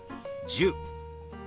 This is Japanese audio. １０。